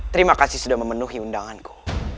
terima kasih sudah memenuhi undanganku